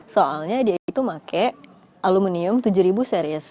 soalnya dia itu pake aluminium tujuh ribu series